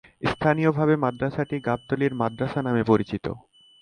স্থানীয়ভাবে মাদ্রাসাটি গাবতলী মাদ্রাসা নামে পরিচিত।